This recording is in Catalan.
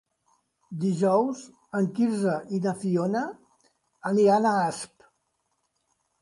Dijous en Quirze i na Fiona aniran a Asp.